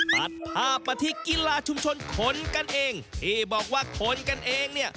ตัดภาพมาที่กีฬาชุมชนคนกันเองที่บอกว่าคนกันเองเนี่ย